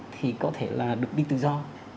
thì có thể là được đi tự do